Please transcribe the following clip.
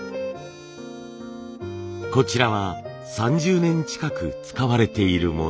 こちらは３０年近く使われているもの。